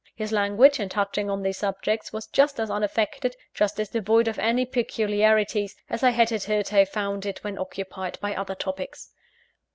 His language, in touching on these subjects, was just as unaffected, just as devoid of any peculiarities, as I had hitherto found it when occupied by other topics.